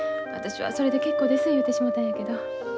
私はそれで結構です言うてしもたんやけど。